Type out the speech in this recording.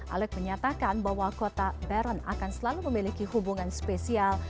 alex menyatakan bahwa kota beron akan selalu memiliki hubungan spesial